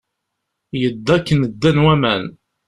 Yedda akken ddan waman.